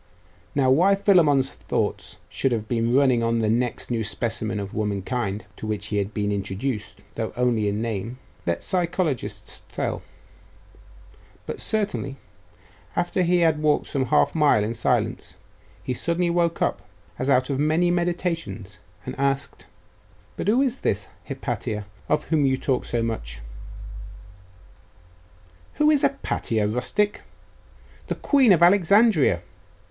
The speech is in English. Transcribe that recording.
Now why Philammon's thoughts should have been running on the next new specimen of womankind to whom he had been introduced, though only in name, let psychologists tell, but certainly, after he had walked some half mile in silence, he suddenly woke up, as out of many meditations, and asked 'But who is this Hypatia, of whom you talk so much?' 'Who is Hypatia, rustic? The queen of Alexandria!